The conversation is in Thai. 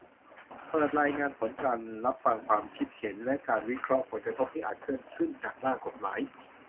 เปิดรายงานผลการรับฟังความคิดเห็น และการวิเคราะห์ผลกระทบที่อาจเกิดขึ้นจากร่างกฎหมาย